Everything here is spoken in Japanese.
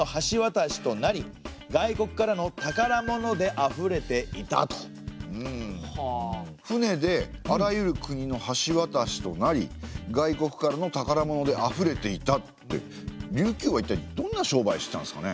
現代語訳しますと「船であらゆる国の橋渡しとなり外国からの宝物であふれていた」って琉球はいったいどんな商売してたんですかね。